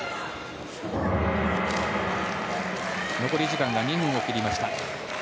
残り時間が２分を切りました。